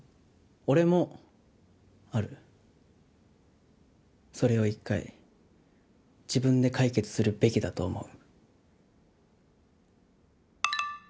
俺もあるそれを１回自分で解決するべきだと思う